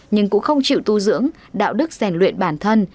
nhưng cũng không chịu tu dưỡng đạo đức rèn luyện bản thân